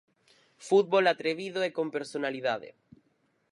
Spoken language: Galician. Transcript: Fútbol atrevido e con personalidade.